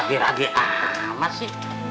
rage rage amat sih